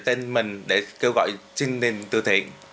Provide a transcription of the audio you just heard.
tên mình để kêu gọi xin tư thiện